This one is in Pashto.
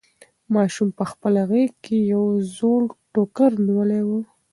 ماشوم په خپله غېږ کې یو زوړ ټوکر نیولی و.